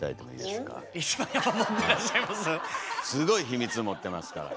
すごい秘密持ってますから。